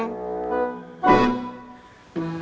kan jadi bingung nih beb